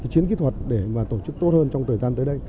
chiến kỹ thuật để tổ chức tốt hơn trong thời gian tới đây